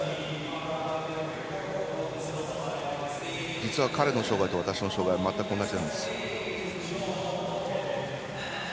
実は彼の障がいと私の障がい全く同じなんです。